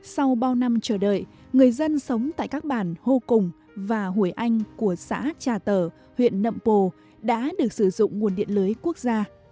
sau bao năm chờ đợi người dân sống tại các bản hô cùng và hủy anh của xã trà tở huyện nậm pồ đã được sử dụng nguồn điện lưới quốc gia